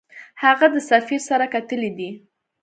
هغه د سفیر سره کتلي دي.